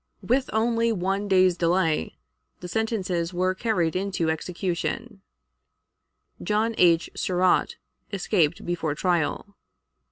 With only one day's delay, the sentences were carried into execution. John H. Surratt escaped before trial.